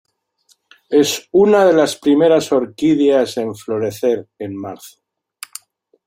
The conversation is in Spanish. Es una de las primeras orquídeas en florecer en marzo.